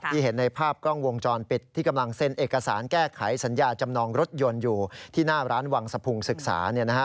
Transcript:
เห็นในภาพกล้องวงจรปิดที่กำลังเซ็นเอกสารแก้ไขสัญญาจำนองรถยนต์อยู่ที่หน้าร้านวังสะพุงศึกษา